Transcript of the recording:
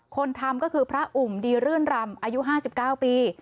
คนทำก็คือพระอุ่มดีรื่นรำอายุ๕๙ปี